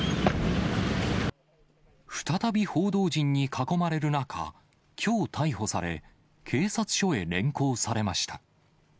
再び報道陣に囲まれる中、きょう逮捕され、警察署へ連行されました。